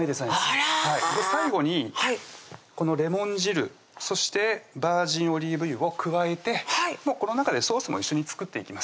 あら最後にこのレモン汁そしてバージンオリーブ油を加えてこの中でソースも一緒に作っていきます